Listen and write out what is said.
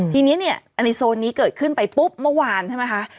ทีนี้เนี่ยในโซนนี้เกิดขึ้นไปปุ๊บเมื่อวานใช่ไหมคะ